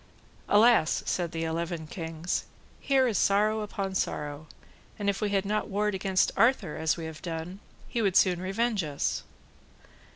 Alas, said the eleven kings, here is sorrow upon sorrow, and if we had not warred against Arthur as we have done, he would soon revenge us.